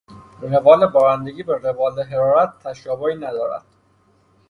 روال بارندگی با روال حرارت تشابهی ندارد.